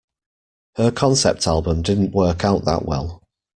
Her concept album didn't work out that well.